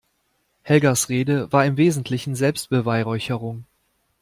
Helgas Rede war im Wesentlichen Selbstbeweihräucherung.